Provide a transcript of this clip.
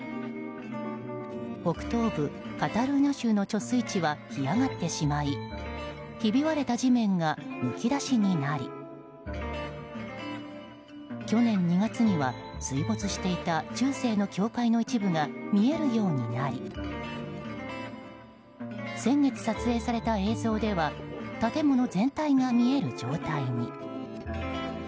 北東部カタルーニャ州の貯水池は干上がってしまいひび割れた地面がむき出しになり去年２月には水没していた中世の教会の一部が見えるようになり先月撮影された映像では建物全体が見える状態に。